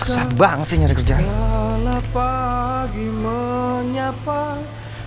susah banget sih nyari kerjaan